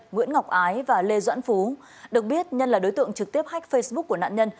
nguyễn ngọc ái và lê doãn phú được biết nhân là đối tượng trực tiếp hách facebook của nạn nhân